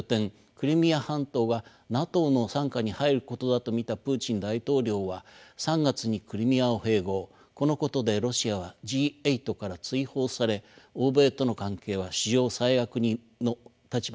クリミア半島がＮＡＴＯの傘下に入ることだと見たプーチン大統領は３月にクリミアを併合このことでロシアはＧ８から追放され欧米との関係は史上最悪の立場になります。